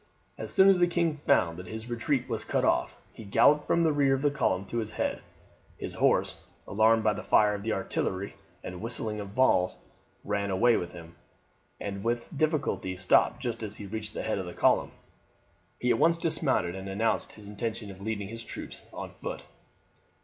As soon as the king found that his retreat was cut off he galloped from the rear of the column to its head. His horse, alarmed by the fire of the artillery and whistling of balls, ran away with him, and was with difficulty stopped just as he reached the head of the column. He at once dismounted and announced his intention of leading his troops on foot.